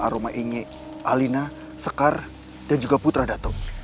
aroma inyek alina sekar dan juga putra datuk